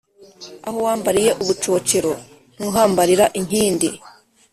Aho wambariye ubucocero ,ntuhambarira inkindi